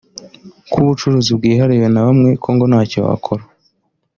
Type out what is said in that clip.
ko ubucuruzi bwihariwe na bamwe ko ngo ntacyo wakora